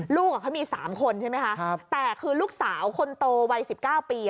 ลูกเขามีสามคนใช่ไหมคะแต่คือลูกสาวคนโตวัยสิบเก้าปี